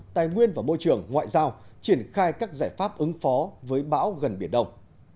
tài nguyên và môi trường ngoại giao triển khai các giải pháp ứng phó với bão gần biển đông